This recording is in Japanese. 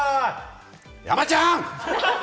山ちゃん！